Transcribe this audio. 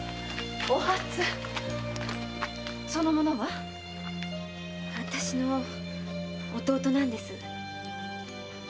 その者は？あたしの弟なんです。